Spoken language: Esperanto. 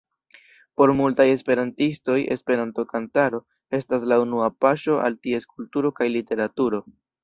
Por multaj esperantistoj Esperanto-kantaro estas la unua paŝo al ties kulturo kaj literaturo.